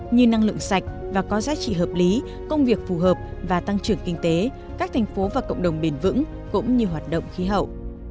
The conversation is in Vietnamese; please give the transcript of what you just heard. như năng lượng sạch và có giá trị hợp lý công việc phù hợp và tăng trưởng kinh tế các thành phố và cộng đồng bền vững cũng như hoạt động khí hậu